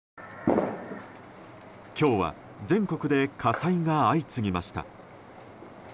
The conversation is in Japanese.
今日は全国で火災が相次ぎました。